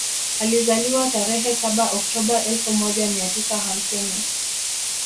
Alizaliwa tarehe saba Octoba elfu moja mia tisa hamsini